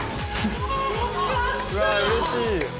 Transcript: うわうれしい。